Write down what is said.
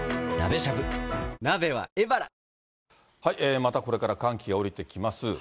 またこれから寒気が下りてきます。